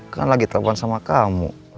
kan lagi telepon sama kamu